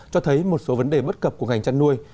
cho thấy một số vấn đề bất cập của ngành chăn nuôi